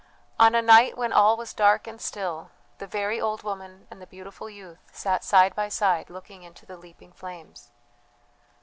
On a night when all was dark and still, the very old woman and the beautiful youth sat side by side looking into the leaping flames.